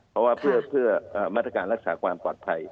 เพราะว่าเพื่อมาตรการรักษาความปลอดภัย